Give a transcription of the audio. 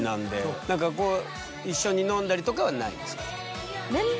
何かこう一緒に飲んだりとかはないですか？